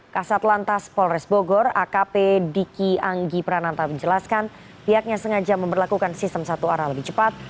kasat lantas polres bogor akp diki anggi prananta menjelaskan pihaknya sengaja memperlakukan sistem satu arah lebih cepat